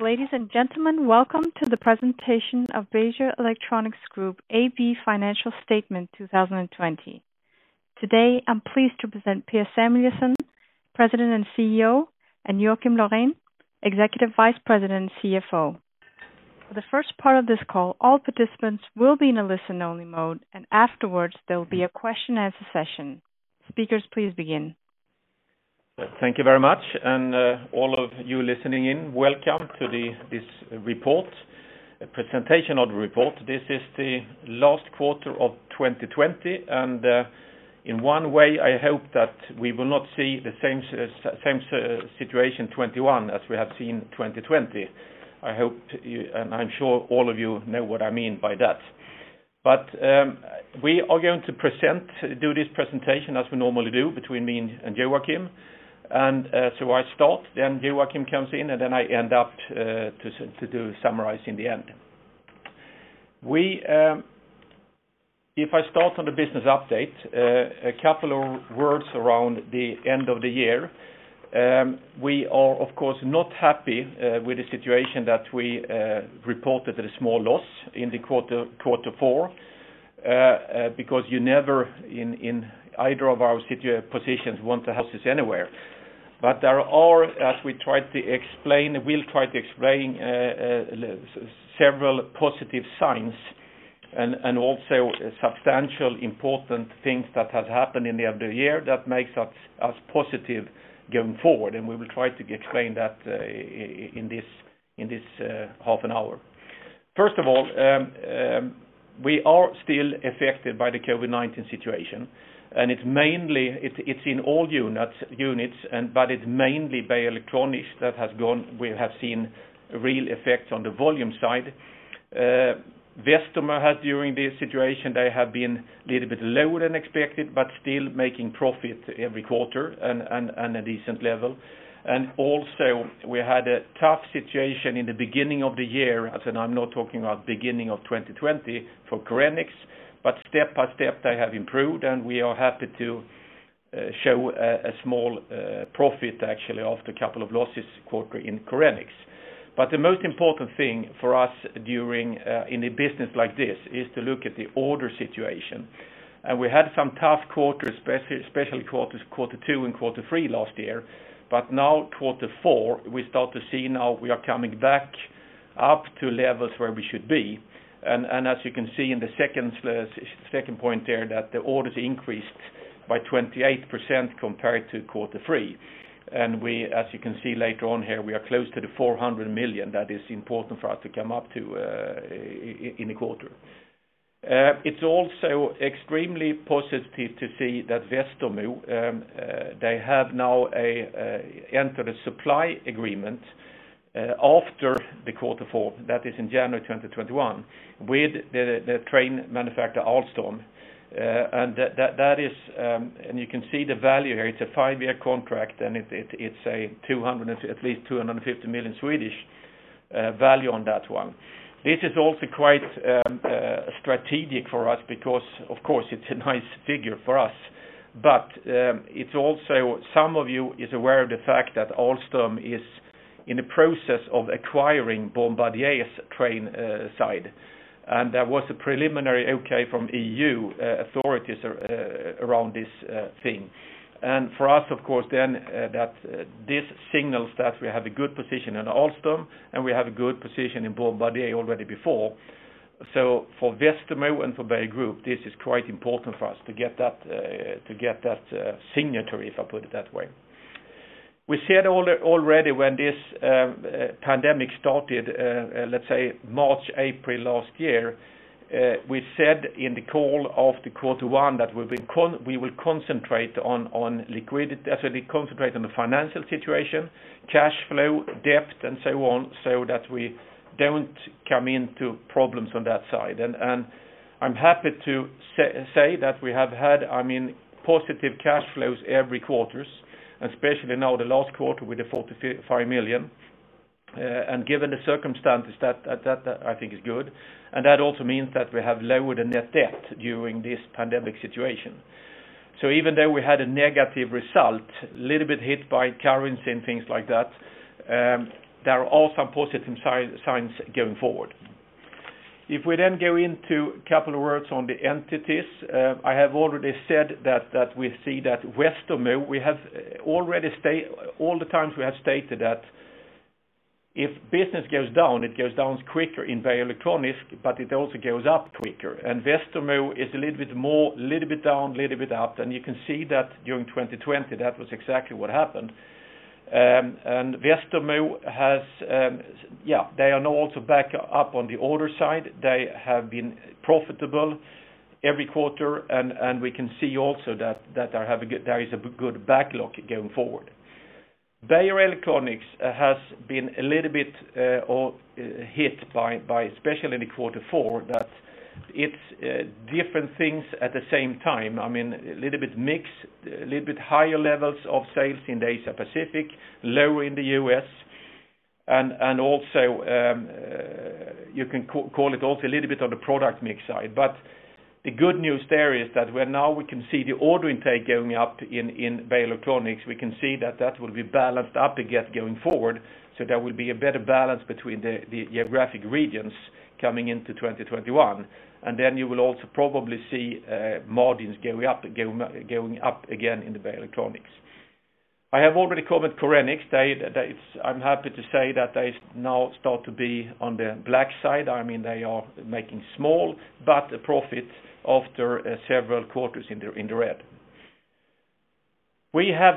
Ladies and gentlemen, welcome to the presentation of Beijer Electronics Group AB Financial Statement 2020. Today, I'm pleased to present Per Samuelsson, President and CEO, and Joakim Laurén, Executive Vice President and CFO. For the first part of this call, all participants will be in a listen-only mode, and afterwards there'll be a question as a session. Speakers, please begin. Thank you very much, and all of you listening in, welcome to this presentation of the report. This is the last quarter of 2020, and in one way, I hope that we will not see the same situation 2021 as we have seen 2020. I hope, and I'm sure all of you know what I mean by that. We are going to do this presentation as we normally do between me and Joakim. I start, then Joakim comes in, and then I end up to do summarizing the end. If I start on the business update, a couple of words around the end of the year. We are, of course, not happy with the situation that we reported a small loss in the quarter four because you never in either of our positions want to lose anywhere. There are, as we tried to explain, we'll try to explain several positive signs and also substantial, important things that have happened in the end of the year that makes us positive going forward. We will try to explain that in this half an hour. First of all, we are still affected by the COVID-19 situation, and it's in all units, but it's mainly Beijer Electronics that we have seen real effects on the volume side. Westermo had during this situation, they have been little bit lower than expected, but still making profit every quarter and a decent level. Also we had a tough situation in the beginning of the year, as in I'm now talking about beginning of 2020 for Korenix. Step by step, they have improved, and we are happy to show a small profit, actually, after a couple of losses quarter in Korenix. The most important thing for us in a business like this is to look at the order situation. We had some tough quarters, especially Q2 and Q3 last year. Now Q4, we start to see now we are coming back up to levels where we should be. As you can see in the second point there, that the orders increased by 28% compared to Q3. As you can see later on here, we are close to the 400 million that is important for us to come up to in a quarter. It's also extremely positive to see that Westermo they have now entered a supply agreement after the Q4, that is in January 2021, with the train manufacturer Alstom. You can see the value here. It's a five-year contract, and it's at least 250 million on that one. This is also quite strategic for us because, of course, it's a nice figure for us. Some of you is aware of the fact that Alstom is in the process of acquiring Bombardier's train side. There was a preliminary okay from EU authorities around this thing. For us, of course, then that this signals that we have a good position in Alstom, and we have a good position in Bombardier already before. For Westermo and for Beijer Group, this is quite important for us to get that signatory, if I put it that way. We said already when this pandemic started, let's say March, April last year, we said in the call of the Q1 that we will concentrate on the financial situation, cash flow, debt and so on, so that we don't come into problems on that side. I'm happy to say that we have had positive cash flows every quarters, especially now the last quarter with 45 million. Given the circumstances, that I think is good, and that also means that we have lowered the net debt during this pandemic situation. Even though we had a negative result, little bit hit by currency and things like that, there are also positive signs going forward. If we then go into a couple of words on the entities, I have already said that we see that Westermo, all the times we have stated that if business goes down, it goes down quicker in Beijer Electronics, but it also goes up quicker. Westermo is a little bit down, little bit up, and you can see that during 2020, that was exactly what happened. Westermo they are now also back up on the order side. They have been profitable every quarter, and we can see also that there is a good backlog going forward. Beijer Electronics has been a little bit hit by, especially in the Q4, that it's different things at the same time. A little bit mix, a little bit higher levels of sales in the Asia Pacific, lower in the U.S. You can call it also a little bit on the product mix side. The good news there is that where now we can see the order intake going up in Beijer Electronics, we can see that that will be balanced up again going forward. There will be a better balance between the geographic regions coming into 2021. You will also probably see margins going up again in the Beijer Electronics. I have already covered Korenix. I'm happy to say that they now start to be on the black side. They are making small, but a profit after several quarters in the red. We have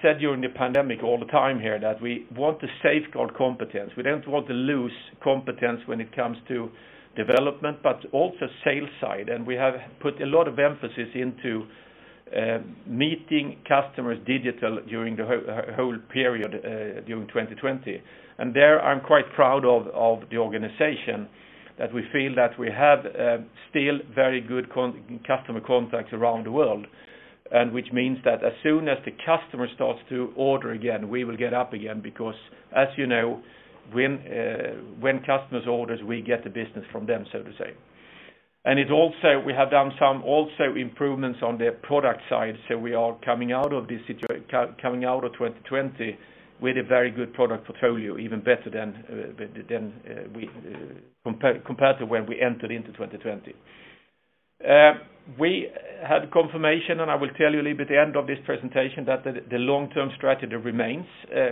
said during the pandemic all the time here that we want to safeguard competence. We don't want to lose competence when it comes to development, but also sales side. We have put a lot of emphasis into meeting customers digital during the whole period, during 2020. There I'm quite proud of the organization, that we feel that we have still very good customer contacts around the world. Which means that as soon as the customer starts to order again, we will get up again, because as you know, when customers order, we get the business from them, so to say. We have done some also improvements on the product side. We are coming out of 2020 with a very good product portfolio, even better compared to when we entered into 2020. We had confirmation, and I will tell you a little bit at the end of this presentation, that the long-term strategy remains.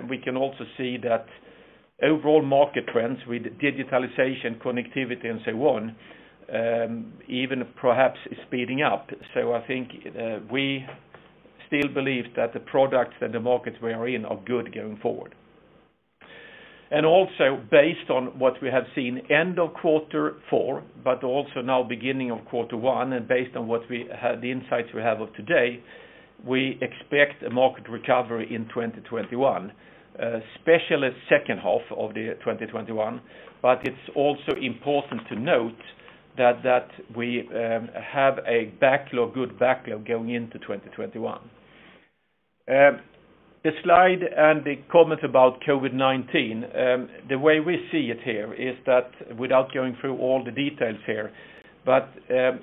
We can also see that overall market trends with digitalization, connectivity and so on, even perhaps speeding up. I think we still believe that the products and the markets we are in are good going forward. Also based on what we have seen end of Q4, but also now beginning of Q1, and based on the insights we have of today, we expect a market recovery in 2021, especially second half of the 2021. It's also important to note that we have a good backlog going into 2021. The slide and the comment about COVID-19, the way we see it here is that without going through all the details here, but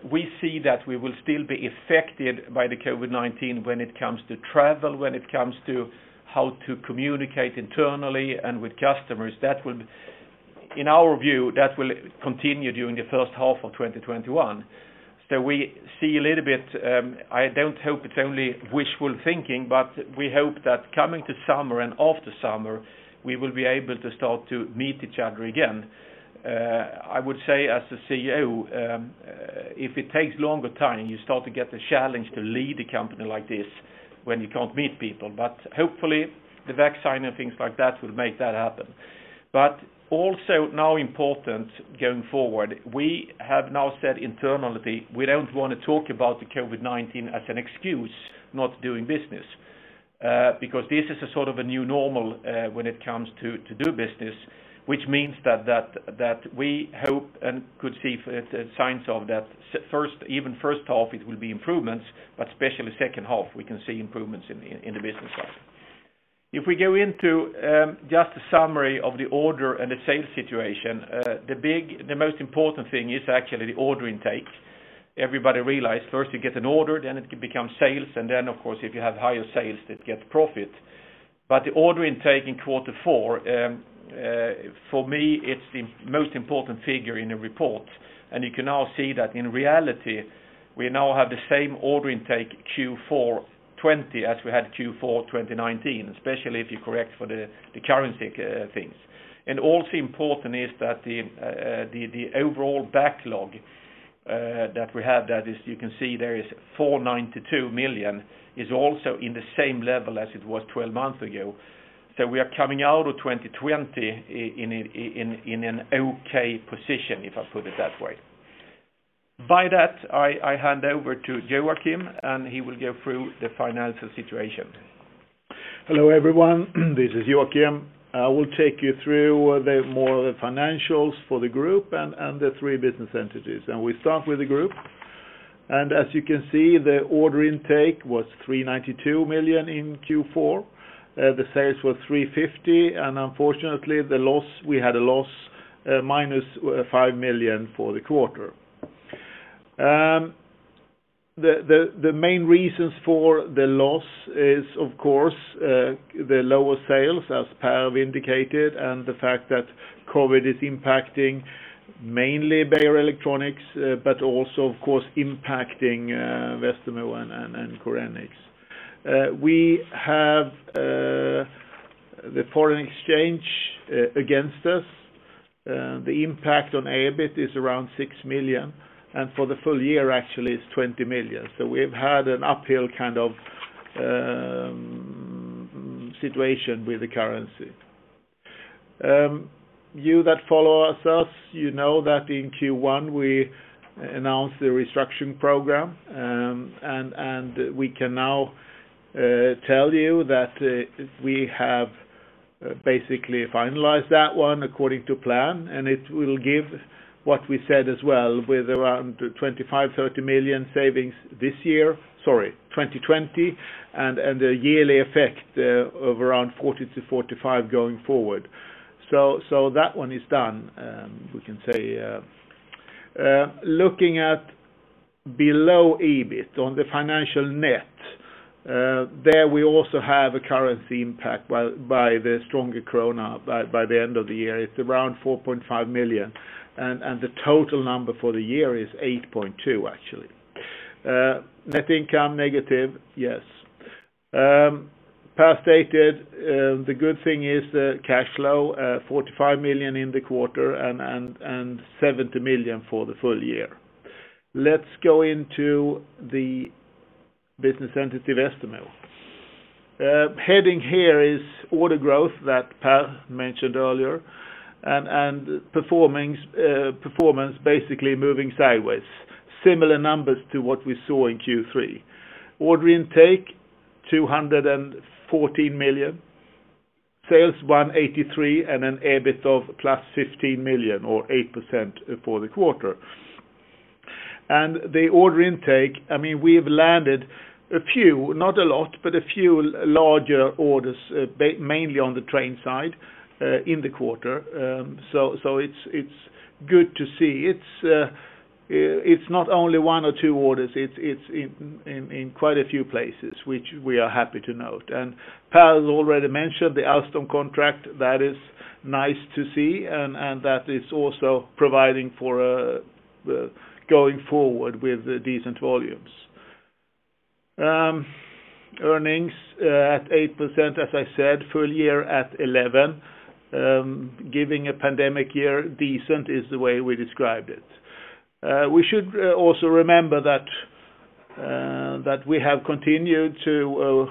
we see that we will still be affected by the COVID-19 when it comes to travel, when it comes to how to communicate internally and with customers. In our view, that will continue during the first half of 2021. We see a little bit, I don't hope it's only wishful thinking, but we hope that coming to summer and after summer, we will be able to start to meet each other again. I would say as a CEO, if it takes longer time, you start to get the challenge to lead a company like this when you can't meet people. Hopefully the vaccine and things like that will make that happen. Also now important going forward, we have now said internally, we don't want to talk about the COVID-19 as an excuse not doing business, because this is a sort of a new normal when it comes to do business, which means that we hope and could see signs of that even first half it will be improvements, but especially second half we can see improvements in the business side. If we go into just a summary of the order and the sales situation, the most important thing is actually the order intake. Everybody realize first you get an order, then it becomes sales, and then of course, if you have higher sales that gets profit. The order intake in Q4, for me, it's the most important figure in the report. You can now see that in reality, we now have the same order intake Q4 2020 as we had Q4 2019, especially if you correct for the currency things. Also important is that the overall backlog that we have, that as you can see there is 492 million, is also in the same level as it was 12 months ago. We are coming out of 2020 in an okay position, if I put it that way. By that, I hand over to Joakim, and he will go through the financial situation. Hello, everyone. This is Joakim. I will take you through more the financials for the group and the three business entities. We start with the group. As you can see, the order intake was 392 million in Q4. The sales were 350 million, and unfortunately, we had a loss, -5 million for the quarter. The main reasons for the loss is, of course, the lower sales, as Per indicated, and the fact that COVID-19 is impacting mainly Beijer Electronics, but also, of course, impacting Westermo and Korenix. We have the foreign exchange against us. The impact on EBIT is around 6 million, and for the full year actually is 20 million. We've had an uphill kind of situation with the currency. You that follow us, you know that in Q1 we announced the restructuring program. We can now tell you that we have basically finalized that one according to plan. It will give what we said as well, with around 25 million-30 million savings this year. Sorry, 2020, a yearly effect of around 40 million-45 million going forward. That one is done, we can say. Looking at below EBIT on the financial net, there we also have a currency impact by the stronger krona by the end of the year. It's around 4.5 million. The total number for the year is 8.2 million actually. Net income negative, yes. Per stated the good thing is the cash flow, 45 million in the quarter and 70 million for the full year. Let's go into the business sensitive estimate. Heading here is order growth that Per mentioned earlier. Performance basically moving sideways. Similar numbers to what we saw in Q3. Order intake, 214 million. Sales, 183 million, an EBIT of +15 million or 8% for the quarter. The order intake, we've landed a few, not a lot, but a few larger orders, mainly on the train side, in the quarter It's good to see. It's not only one or two orders, it's in quite a few places, which we are happy to note. Per has already mentioned the Alstom contract. That is nice to see, and that is also providing for going forward with decent volumes. Earnings at 8%, as I said, full year at 11%. Giving a pandemic year decent is the way we described it. We should also remember that we have continued to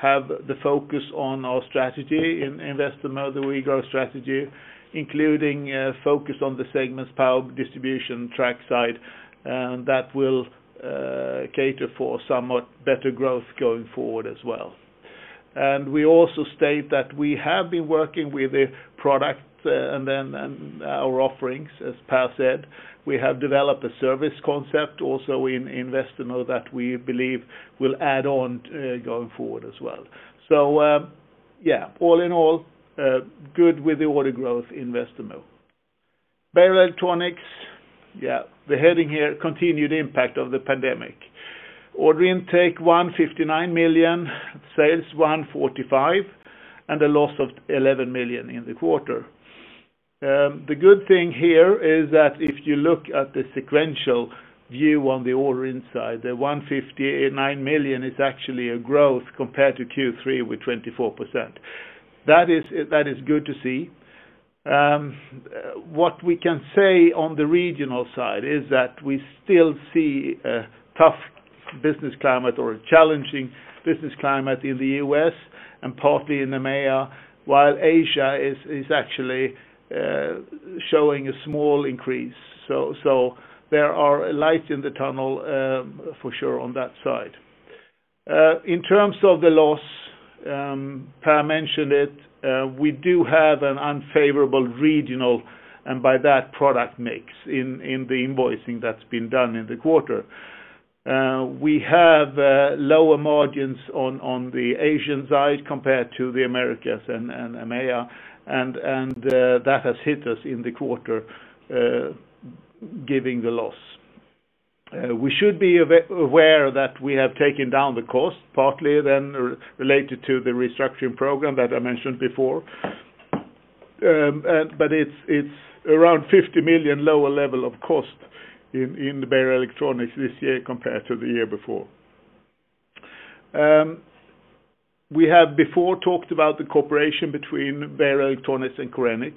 have the focus on our strategy in Westermo, the WeGrow strategy, including focus on the segments power distribution track side, that will cater for somewhat better growth going forward as well. We also state that we have been working with the product and our offerings, as Per said. We have developed a service concept also in Westermo that we believe will add on going forward as well. All in all, good with the order growth in Westermo. Beijer Electronics, the heading here, continued impact of the pandemic. Order intake, 159 million. Sales, 145 million, and a loss of 11 million in the quarter. The good thing here is that if you look at the sequential view on the order intake, the 159 million is actually a growth compared to Q3 with 24%. That is good to see. What we can say on the regional side is that we still see a tough business climate or a challenging business climate in the U.S. and partly in EMEA, while Asia is actually showing a small increase. There are light in the tunnel for sure on that side. In terms of the loss, Per mentioned it, we do have an unfavorable regional, and by that product mix in the invoicing that's been done in the quarter. We have lower margins on the Asian side compared to the Americas and EMEA, and that has hit us in the quarter, giving the loss. We should be aware that we have taken down the cost partly then related to the restructuring program that I mentioned before. It's around 50 million lower level of cost in the Beijer Electronics this year compared to the year before. We have before talked about the cooperation between Beijer Electronics and Korenix.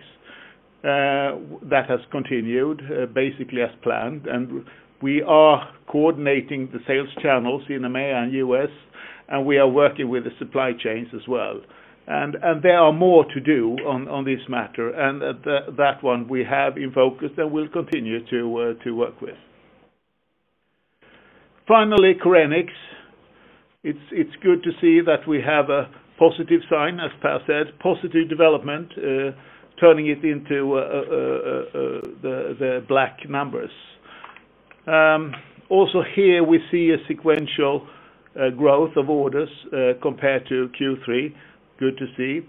That has continued basically as planned, and we are coordinating the sales channels in EMEA and U.S., and we are working with the supply chains as well. There are more to do on this matter. That one we have in focus and will continue to work with. Finally, Korenix. It's good to see that we have a positive sign, as Per said, positive development, turning it into the black numbers. Also here, we see a sequential growth of orders compared to Q3. Good to see.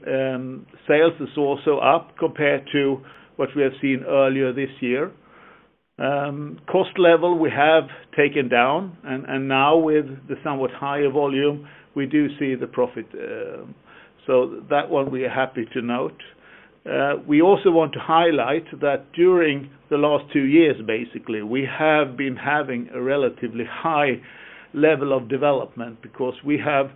Sales is also up compared to what we have seen earlier this year. Cost level we have taken down, and now with the somewhat higher volume, we do see the profit. That one we are happy to note. We also want to highlight that during the last two years, basically, we have been having a relatively high level of development because we have,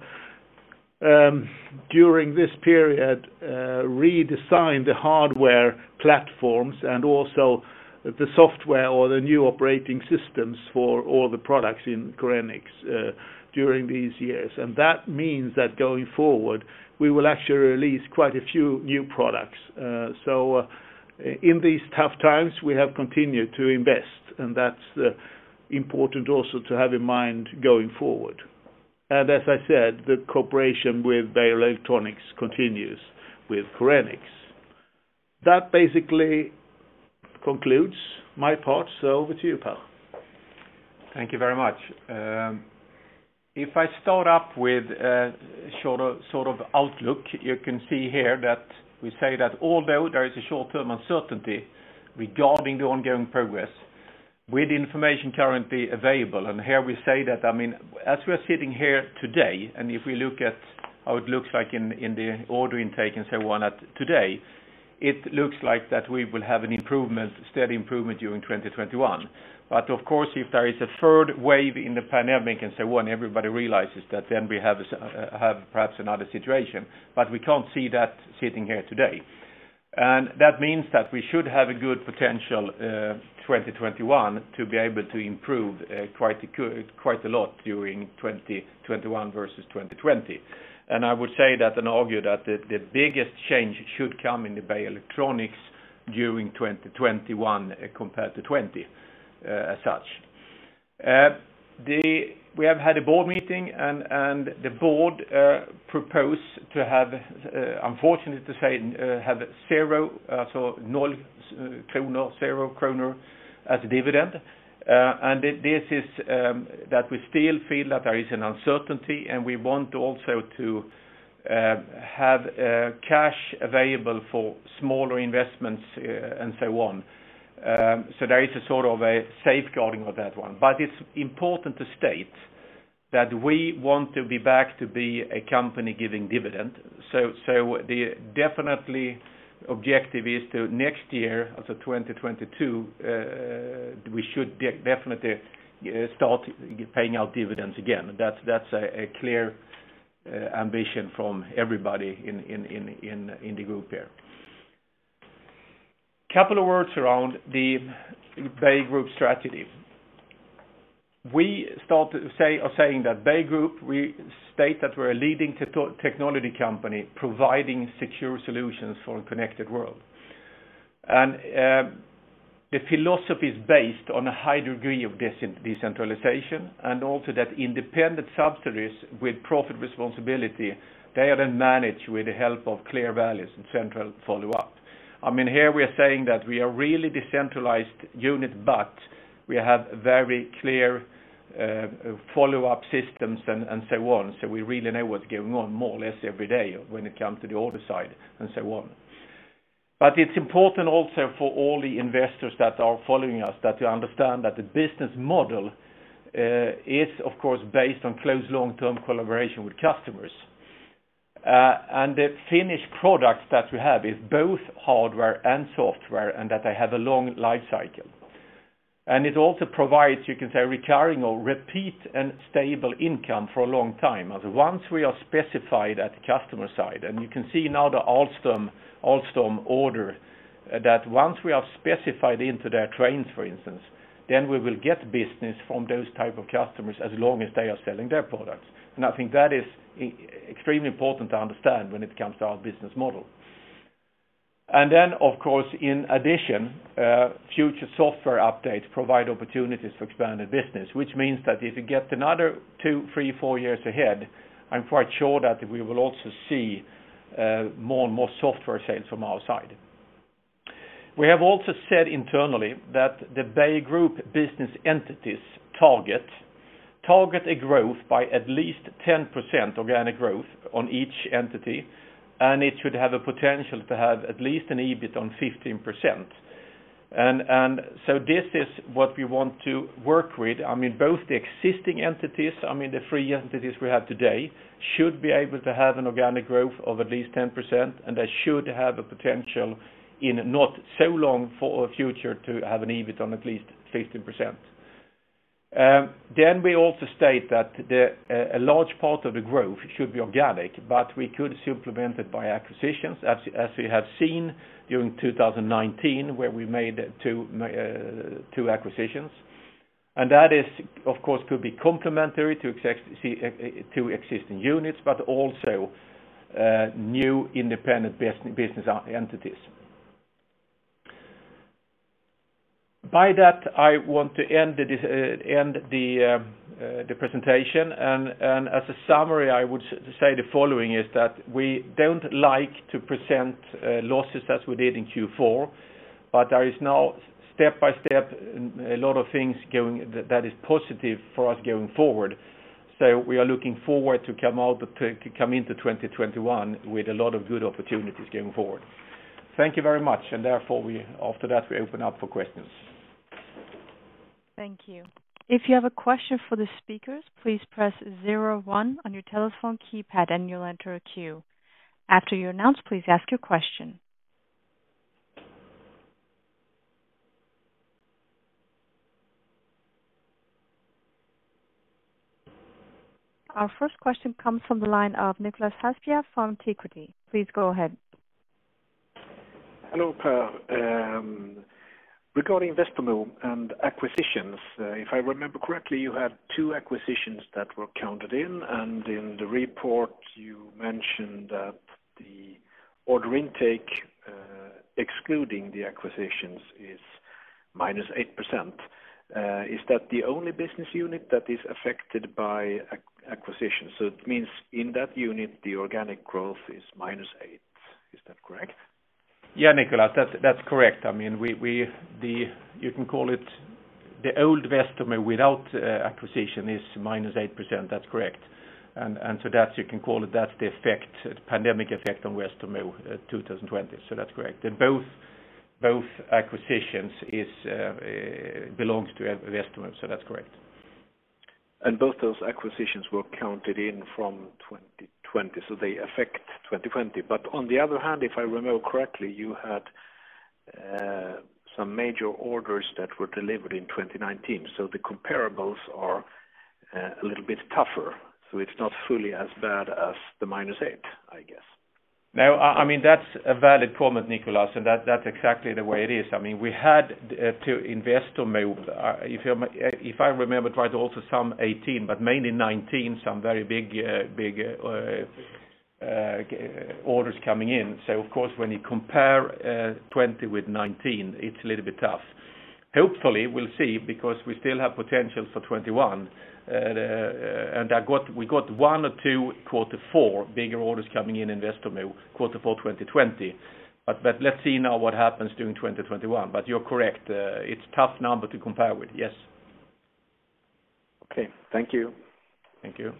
during this period, redesigned the hardware platforms and also the software or the new operating systems for all the products in Korenix during these years. That means that going forward, we will actually release quite a few new products. In these tough times, we have continued to invest, and that's important also to have in mind going forward. As I said, the cooperation with Beijer Electronics continues with Korenix. That basically concludes my part. Over to you, Per. Thank you very much. I start up with a sort of outlook, you can see here that we say that although there is a short-term uncertainty regarding the ongoing progress, with information currently available, and here we say that, as we're sitting here today, and if we look at how it looks like in the order intake and so on today, it looks like that we will have a steady improvement during 2021. Of course, if there is a third wave in the pandemic and so on, everybody realizes that then we have perhaps another situation. We can't see that sitting here today. That means that we should have a good potential 2021 to be able to improve quite a lot during 2021 versus 2020. I would say that and argue that the biggest change should come in the Beijer Electronics during 2021 compared to 2020 as such. We have had a board meeting, the board proposed to have, unfortunate to say, have zero SEK as a dividend. That we still feel that there is an uncertainty, and we want also to have cash available for smaller investments and so on. There is a sort of a safeguarding of that one. It's important to state that we want to be back to be a company giving dividend. Definitely objective is to next year, so 2022, we should definitely start paying out dividends again. That's a clear ambition from everybody in the group here. Couple of words around the Beijer Group strategy. We start saying that Beijer Group, we state that we're a leading technology company providing secure solutions for a connected world. The philosophy is based on a high degree of decentralization and also that independent subsidiaries with profit responsibility, they are then managed with the help of clear values and central follow-up. Here we are saying that we are really decentralized unit, but we have very clear follow-up systems and so on. We really know what's going on more or less every day when it comes to the order side and so on. It's important also for all the investors that are following us that you understand that the business model is, of course, based on close long-term collaboration with customers. The finished product that we have is both hardware and software, and that they have a long life cycle. It also provides, you can say, recurring or repeat and stable income for a long time. Once we are specified at the customer side, and you can see now the Alstom order, that once we are specified into their trains, for instance, then we will get business from those type of customers as long as they are selling their products. I think that is extremely important to understand when it comes to our business model. Then, of course, in addition, future software updates provide opportunities to expand the business, which means that if you get another two, three, four years ahead, I'm quite sure that we will also see more and more software sales from our side. We have also said internally that the Beijer Group business entities target a growth by at least 10% organic growth on each entity, and it should have a potential to have at least an EBIT on 15%. This is what we want to work with. Both the existing entities, the three entities we have today, should be able to have an organic growth of at least 10%, and they should have a potential in not so long for future to have an EBIT on at least 15%. We also state that a large part of the growth should be organic, but we could supplement it by acquisitions as we have seen during 2019, where we made two acquisitions. That, of course, could be complementary to existing units, but also new independent business entities. By that, I want to end the presentation. As a summary, I would say the following is that we don't like to present losses as we did in Q4, but there is now step by step a lot of things that is positive for us going forward. We are looking forward to come into 2021 with a lot of good opportunities going forward. Thank you very much. Therefore, after that, we open up for questions. Thank you. If you have a question for the speakers, please press 01 on your telephone keypad and you'll enter a queue. After you're announced, please ask your question. Our first question comes from the line of Niklas Hassija from Equity. Please go ahead. Hello, Per. Regarding Westermo and acquisitions, if I remember correctly, you had two acquisitions that were counted in, and in the report you mentioned that the order intake excluding the acquisitions is -8%. Is that the only business unit that is affected by acquisition? It means in that unit, the organic growth is -8. Is that correct? Yeah, Niklas, that's correct. You can call it the old Westermo without acquisition is -8%. That's correct. That you can call it, that's the pandemic effect on Westermo 2020. That's correct. Both acquisitions belongs to Westermo, so that's correct. Both those acquisitions were counted in from 2020, so they affect 2020. On the other hand, if I remember correctly, you had some major orders that were delivered in 2019. The comparables are a little bit tougher. It's not fully as bad as the -8, I guess. No, that's a valid comment, Niklas, that's exactly the way it is. We had to invest, if I remember right, also some 2018, but mainly 2019, some very big orders coming in. Of course, when you compare 2020 with 2019, it's a little bit tough. Hopefully, we'll see because we still have potential for 2021. We got one or two quarter four bigger orders coming in Westermo, quarter four 2020. Let's see now what happens during 2021. You're correct. It's tough number to compare with. Yes. Okay. Thank you. Thank you.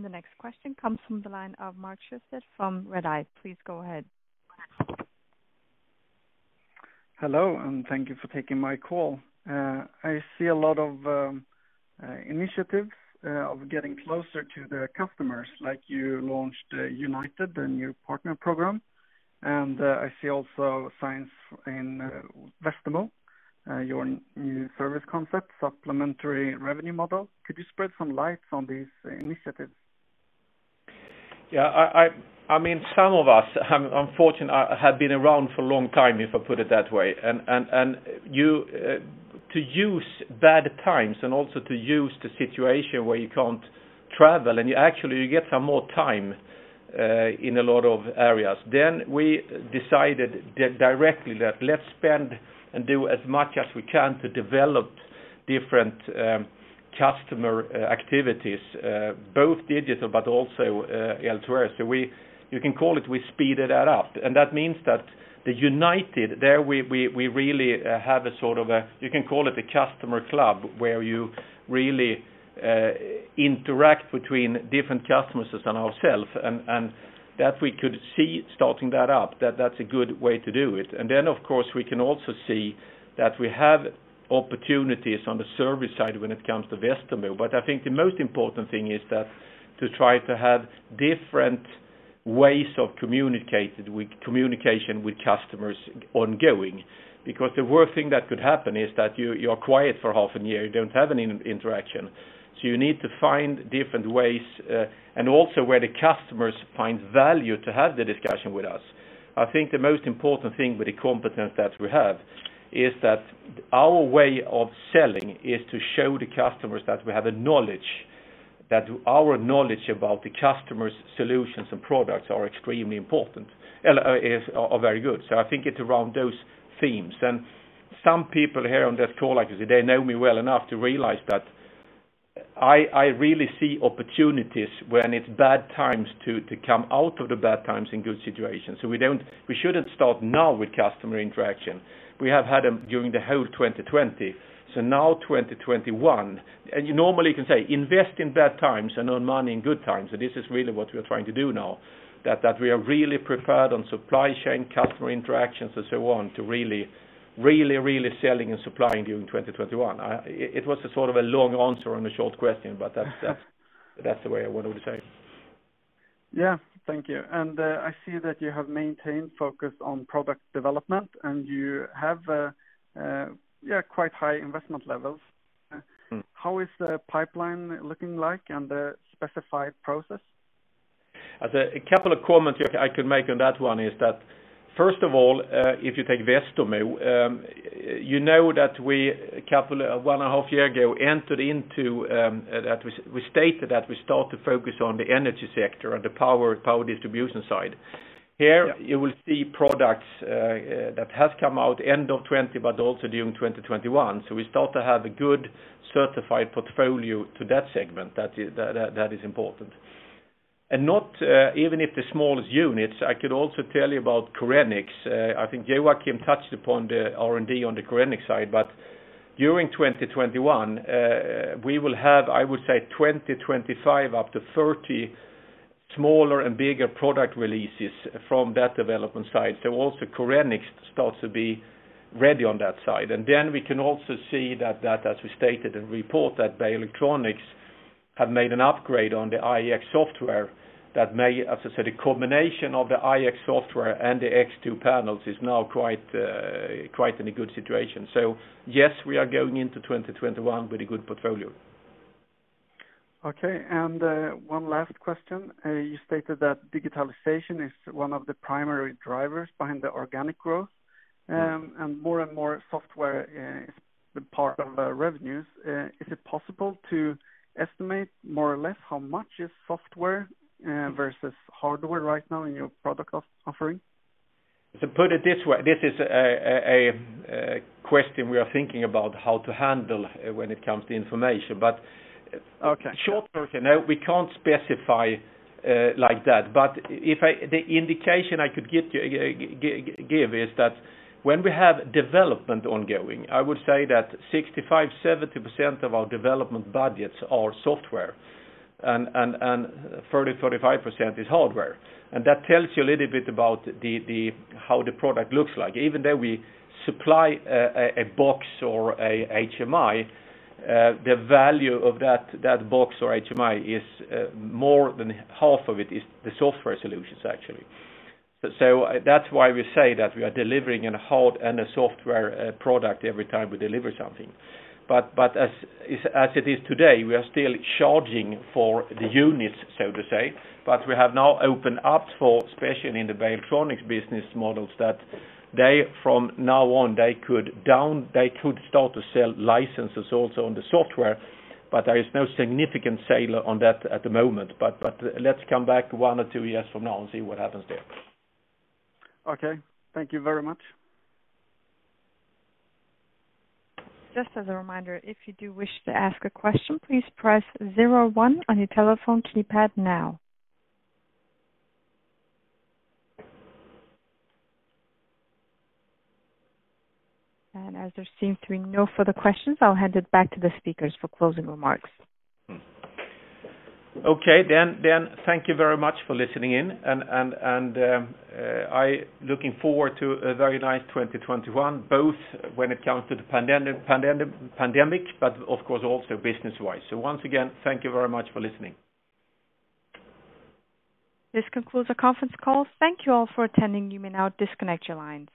The next question comes from the line of Mark Siöstedt from Redeye. Please go ahead. Hello, thank you for taking my call. I see a lot of initiatives of getting closer to the customers, like you launched UNITED, the new Partner Program. I see also signs in Westermo your new service concept, supplementary revenue model. Could you spread some light on these initiatives? Yeah, some of us, unfortunately, have been around for a long time, if I put it that way. To use bad times and also to use the situation where you can't travel, and you actually, you get some more time in a lot of areas. We decided directly that let's spend and do as much as we can to develop different customer activities, both digital, but also elsewhere. You can call it, we speeded that up. That means that the UNITED, there we really have a sort of a, you can call it a customer club, where you really interact between different customers and ourselves, and that we could see starting that up, that's a good way to do it. Then, of course, we can also see that we have opportunities on the service side when it comes to Westermo. I think the most important thing is that to try to have different ways of communication with customers ongoing, because the worst thing that could happen is that you're quiet for half a year, you don't have any interaction. You need to find different ways, and also where the customers find value to have the discussion with us. I think the most important thing with the competence that we have is that our way of selling is to show the customers that we have a knowledge, that our knowledge about the customer's solutions and products are extremely important, are very good. I think it's around those themes. Some people here on this call, they know me well enough to realize that I really see opportunities when it's bad times to come out of the bad times in good situations. We shouldn't start now with customer interaction. We have had them during the whole 2020. Now 2021, you normally can say invest in bad times and earn money in good times. This is really what we are trying to do now, that we are really prepared on supply chain, customer interactions, and so on to really selling and supplying during 2021. It was a sort of a long answer on a short question, that's the way I would say. Yeah. Thank you. I see that you have maintained focus on product development, and you have quite high investment levels. How is the pipeline looking like and the specified process? A couple of comments I could make on that one is that, first of all, if you take Westermo you know that one and a half year ago, we stated that we start to focus on the energy sector and the power distribution side. Here you will see products that have come out end of 2020, but also during 2021. We start to have a good certified portfolio to that segment. That is important. Not even if the smallest units, I could also tell you about Korenix. I think Joakim touched upon the R&D on the Korenix side, but during 2021, we will have, I would say 20, 25, up to 30 smaller and bigger product releases from that development side. Also Korenix starts to be ready on that side. We can also see that as we stated in report that Beijer Electronics have made an upgrade on the iX software that may, as I said, a combination of the iX software and the X2 panels is now quite in a good situation. Yes, we are going into 2021 with a good portfolio. Okay. One last question. You stated that digitalization is one of the primary drivers behind the organic growth, and more and more software is the part of revenues. Is it possible to estimate more or less how much is software versus hardware right now in your product offering? To put it this way, this is a question we are thinking about how to handle when it comes to information. Okay. Short version, no, we can't specify like that. The indication I could give is that when we have development ongoing, I would say that 65%-70% of our development budgets are software, and 30%-35% is hardware. That tells you a little bit about how the product looks like. Even though we supply a box or a HMI, the value of that box or HMI, more than half of it is the software solutions, actually. That's why we say that we are delivering a hard and a software product every time we deliver something. As it is today, we are still charging for the units, so to say, but we have now opened up for, especially in the Valtronics business models, that from now on, they could start to sell licenses also on the software, but there is no significant sale on that at the moment. Let's come back one or two years from now and see what happens there. Okay. Thank you very much. Just as a reminder, if you do wish to ask a question, please press zero one on your telephone keypad now. As there seem to be no further questions, I'll hand it back to the speakers for closing remarks. Okay, thank you very much for listening in, and I looking forward to a very nice 2021, both when it comes to the pandemic, but of course, also business-wise. Once again, thank you very much for listening. This concludes our conference call. Thank you all for attending. You may now disconnect your lines.